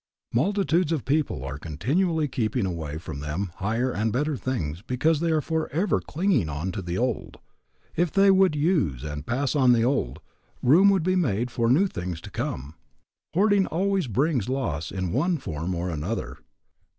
Multitudes of people are continually keeping away from them higher and better things because they are forever clinging on to the old. If they would use and pass on the old, room would be made for new things to come. Hoarding always brings loss in one form or another.